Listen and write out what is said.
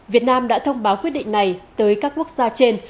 việt nam đã thông báo quyết định này tới các quốc gia trên